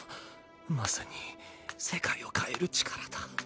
まさに世界を変える力だ。